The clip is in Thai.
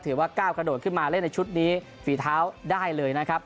ถือว่าก้าวกระโดดขึ้นมาเล่นในชุดนี้ฝีเท้าได้เลยนะครับ